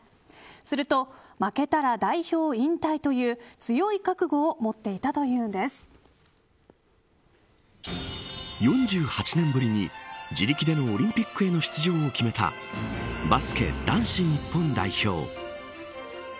すると負けたら代表引退という強い覚悟を４８年ぶりに自力でのオリンピックへの出場を決めたバスケ男子日本代表。